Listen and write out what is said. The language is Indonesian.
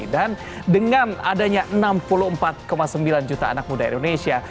dan dengan adanya enam puluh empat sembilan juta anak muda indonesia